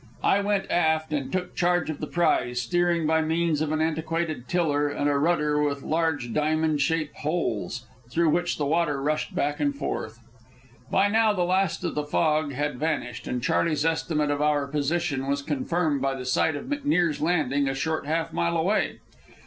I went aft and took charge of the prize, steering by means of an antiquated tiller and a rudder with large, diamond shaped holes, through which the water rushed back and forth. By now the last of the fog had vanished, and Charley's estimate of our position was confirmed by the sight of McNear's Landing a short half mile away.